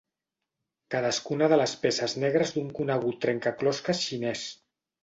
Cadascuna de les peces negres d'un conegut trencaclosques xinès.